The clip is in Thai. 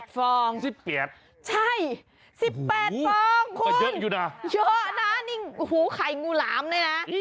๑๘ฟองใช่๑๘ฟองคุณเยอะนะนี่หูไข่งูหลามเลยนะ